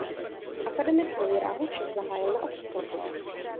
Akademickou dráhu však zahájil na Oxfordu.